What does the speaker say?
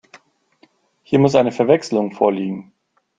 Hier muss eine Verwechslung vorliegen.